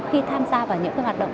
khi tham gia vào những cái hoạt động